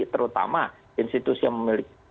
terutama institusi yang memiliki